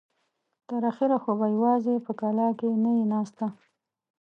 تر اخره خو به يواځې په کلاکې نه يې ناسته.